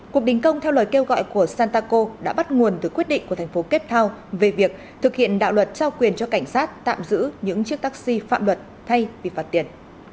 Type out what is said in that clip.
cuộc đình công theo lời kêu gọi của santaco đã bắt nguồn từ quyết định của thành phố cape town về việc thực hiện đạo luật trao quyền cho cảnh sát tạm giữ những chiếc taxi phạm luật thay vì phạt tiền